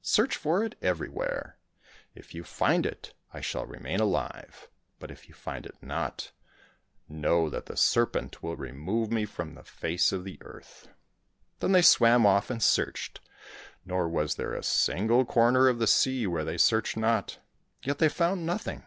Search for it everywhere. If you find it, I shall remain alive, but if you find it not, know that the serpent will remove me from the face of the earth !" Then they swam off and searched, nor was there a single corner of the sea where they searched not. Yet they found nothing.